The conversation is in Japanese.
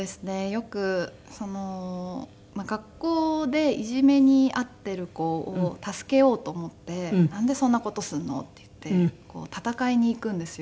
よく学校でいじめに遭っている子を助けようと思って「なんでそんな事するの」って言って戦いに行くんですよ。